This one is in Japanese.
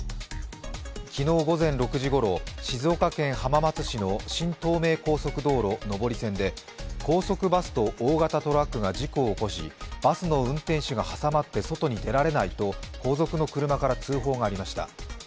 昨日午前６時頃、静岡県浜松市の新東名高速道路上り線で高速バスと大型トラックが事故を起こし、バスの運転手が挟まって外に出られないと後続の車から通報がありました。